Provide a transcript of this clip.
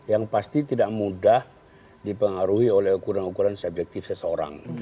yang pasti tidak mudah dipengaruhi oleh ukuran ukuran subjektif seseorang